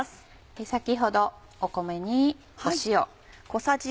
先ほど米に塩。